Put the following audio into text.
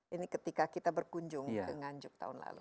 ini ketika kita berkunjung ke nganjuk tahun lalu